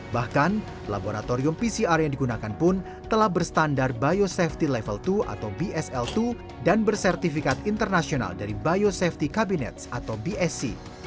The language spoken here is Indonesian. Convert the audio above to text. bahkan laboratorium pcr yang digunakan pun telah berstandar biosafety level dua atau bsl dua dan bersertifikat internasional dari biosafety cabinets atau bsc